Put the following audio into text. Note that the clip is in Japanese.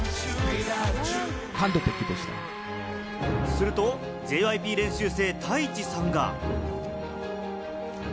するとＪＹＰ練習生・タイチさんが。